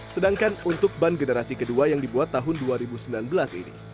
sedangkan untuk ban generasi kedua yang dibuat tahun dua ribu sembilan belas ini